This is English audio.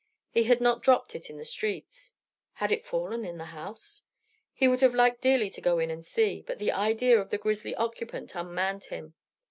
He had not dropped it in the streets. Had it fallen in the house? He would have liked dearly to go in and see; but the idea of the grisly occupant unmanned him.